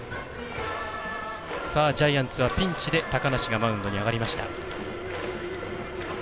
ジャイアンツはピンチで高梨がマウンドに上がりました。